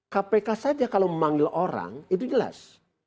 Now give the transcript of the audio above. kpk saja kalau memanggil orang itu jelas